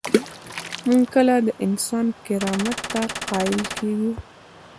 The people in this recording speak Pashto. موږ کله د انسان کرامت ته قایل کیږو؟